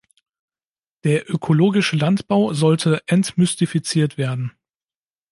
Der ökologische Landbau sollte entmystifiziert werden.